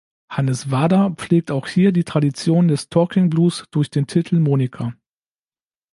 Hannes Wader pflegt auch hier die Tradition des Talking-Blues durch den Titel "Monika".